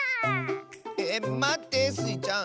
えまってスイちゃん！